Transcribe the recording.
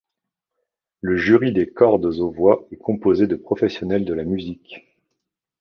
Le jury des Cordes-Aux-Voix est composé de professionnels de la musique.